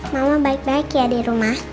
mama baik baik ya di rumah